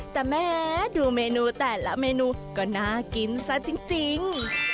แต่แม้ดูเมนูแต่ละเมนูก็น่ากินซะจริง